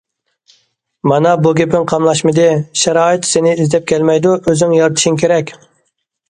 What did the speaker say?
- مانا بۇ گېپىڭ قاملاشمىدى، شارائىت سېنى ئىزدەپ كەلمەيدۇ، ئۆزۈڭ يارىتىشىڭ كېرەك.